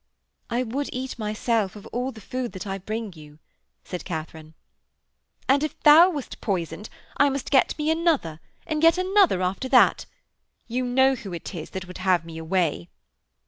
'I would eat myself of all the food that I bring you,' said Katharine. 'And if thou wast poisoned, I must get me another, and yet another after that. You know who it is that would have me away.'